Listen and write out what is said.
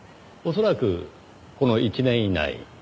恐らくこの１年以内。